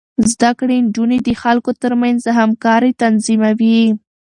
زده کړې نجونې د خلکو ترمنځ همکاري تنظيموي.